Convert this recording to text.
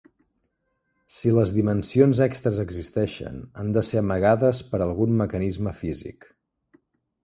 Si les dimensions extres existeixen, han de ser amagades per algun mecanisme físic.